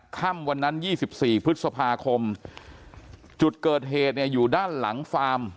ค่ำวันนั้น๒๔พฤษภาคมจุดเกิดเหตุเนี่ยอยู่ด้านหลังฟาร์ม